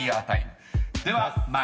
［では参ります。